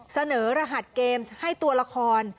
เสนอรหัสเกมให้ตัวละคร